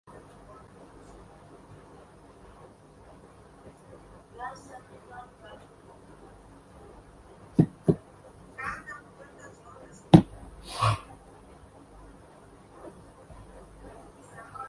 Butler was killed while on duty in Oxbow.